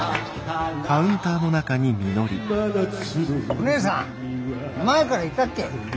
おねえさん前からいたっけ？